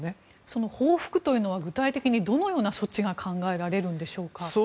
その報復というのは具体的にどのような措置が考えられるんでしょうか？